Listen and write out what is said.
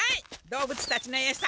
動物たちのエサ。